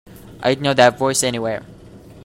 I'd know that voice anywhere.